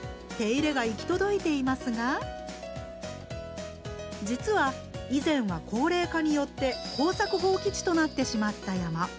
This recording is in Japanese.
手入れが行き届いていますが実は以前は高齢化によって耕作放棄地となってしまった山。